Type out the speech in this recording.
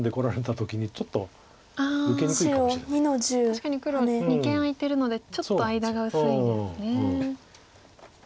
確かに黒二間空いてるのでちょっと間が薄いですね。